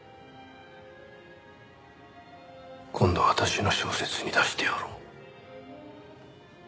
今度私の小説に出してやろう。